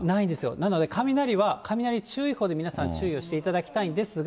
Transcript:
なので雷は、雷注意報で皆さん、注意をしていただきたいんですが。